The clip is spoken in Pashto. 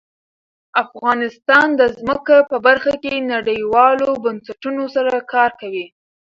افغانستان د ځمکه په برخه کې نړیوالو بنسټونو سره کار کوي.